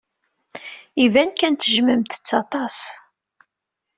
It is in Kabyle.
Iban kan tejjmemt-t aṭas.